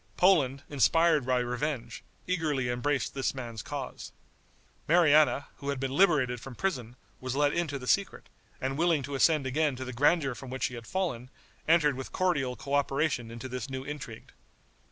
Poland, inspired by revenge, eagerly embraced this man's cause. Mariana, who had been liberated from prison, was let into the secret, and willing to ascend again to the grandeur from which she had fallen, entered with cordial coöperation into this new intrigue.